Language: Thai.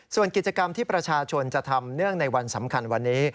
ส่วนกิจกรรมที่ประชาชนจะทำเนื่องในวันสำคัญวันนี้